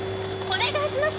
お願いします。